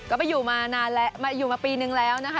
ก็ไปอยู่มาปีนึงแล้วนะคะ